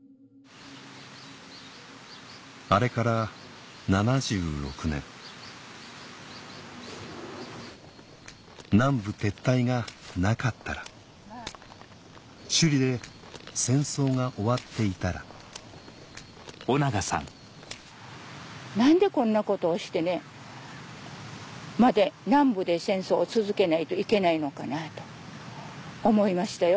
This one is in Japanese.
あれから７６年南部撤退がなかったら首里で戦争が終わっていたら何でこんなことをしてまで南部で戦争を続けないといけないのかなと思いましたよ。